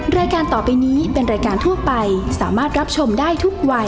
รายการต่อไปนี้เป็นรายการทั่วไปสามารถรับชมได้ทุกวัย